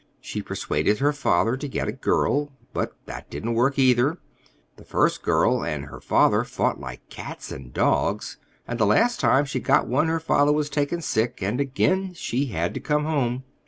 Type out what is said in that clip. She persuaded her father to get a girl. But that didn't work, either. The first girl and her father fought like cats and dogs, and the last time she got one her father was taken sick, and again she had to come home.